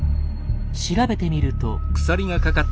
調べてみると。